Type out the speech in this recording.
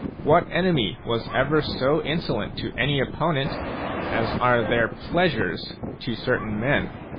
What enemy was ever so insolent to any opponent as are their pleasures to certain men